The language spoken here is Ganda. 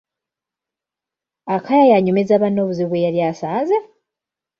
Akaya yanyumiza banne obuzibu bwe yali asanze!